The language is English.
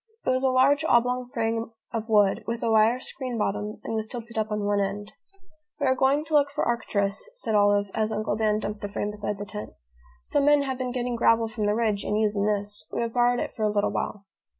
It was a large oblong frame of wood, with a wire screen bottom, and was tilted up on one end. "We are going to look for Arcturus," said Olive, as Uncle Dan dumped the frame beside the tent. "Some men have been getting gravel from the ridge and using this. We have borrowed it for a little while."